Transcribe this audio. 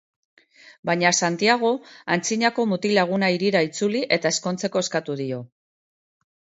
Baina Santiago antzinako mutil-laguna hirira itzuli eta ezkontzeko eskatuko dio.